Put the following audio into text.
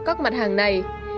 các mặt hàng này